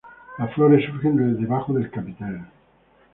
Las flores surgen de debajo del capitel.